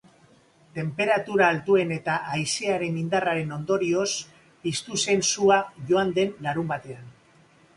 Tenperatura altuen eta haizearen indarraren ondorioz piztu zen sua joan den larunbatean.